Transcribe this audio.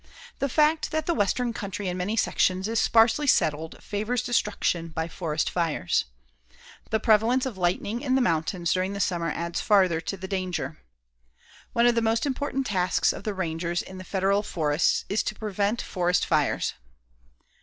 The fact that the western country in many sections is sparsely settled favors destruction by forest fires. The prevalence of lightning in the mountains during the summer adds farther to the danger. One of the most important tasks of the rangers in the Federal forests is to prevent forest fires.